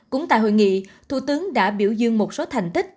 cũng tại hội nghị thủ tướng đã biểu dương một số thành tích